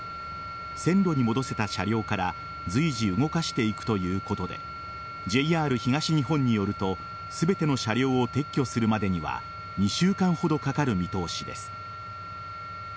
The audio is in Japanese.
線路に戻せた車両から随時動かしていくということでＪＲ東日本によると全ての車両を撤去するまでには２週間ほどかかる見通しです。